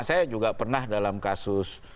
saya juga pernah dalam kasus